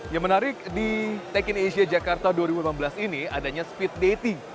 yang menarik di tech in asia jakarta dua ribu lima belas ini adanya speed dating